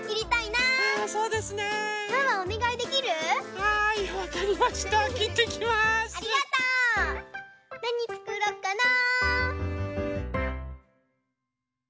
なにつくろうかな？